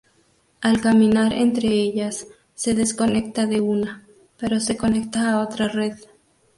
Al caminar entre ellas se desconecta de una, pero se conecta a otra red.